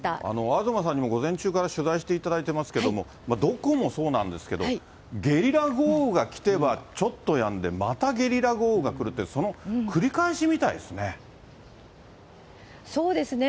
東さんにも午前中から取材していただいてますけれども、どこもそうなんですけど、ゲリラ豪雨が来てはちょっとやんで、またゲリラ豪雨が来るっていう、その繰り返しみたいですね。